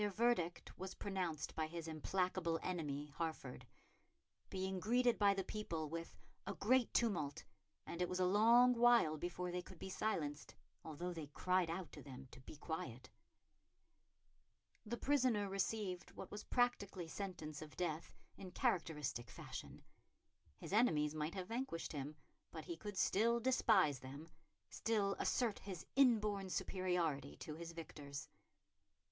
Their verdict was pronounced by his implacable enemy, Hertford; being greeted by the people with "a great tumult, and it was a long while before they could be silenced, although they cried out to them to be quiet." The prisoner received what was practically sentence of death in characteristic fashion. His enemies might have vanquished him, but he could still despise them, still assert his inborn superiority to his victors.